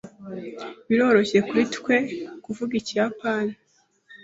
Biroroshye kuri twe kuvuga Ikiyapani.